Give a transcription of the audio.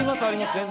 全然。